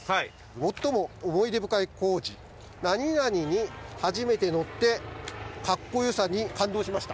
「最も思い出深い工事」「何々に初めて乗ってカッコよさに感動しました」